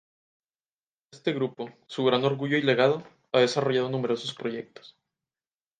Este grupo, su gran orgullo y legado, ha desarrollado numerosos proyectos.